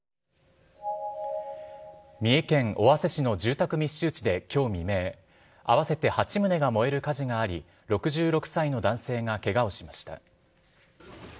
三重県尾鷲市の住宅密集地できょう未明、合わせて８棟が燃える火事があり、６６歳の男性がけがをしました。